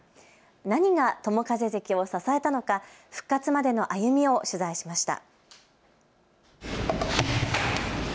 何が友風関を支えたのか復活までの歩みを取材しました。